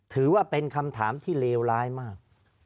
ถือว่าเป็นคำถามที่เลวร้ายมาก